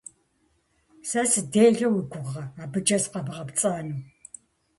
- Сэ сыделэ уи гугъэ, абыкӀэ сыкъэбгъэпцӀэну?